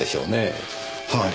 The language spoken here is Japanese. はい。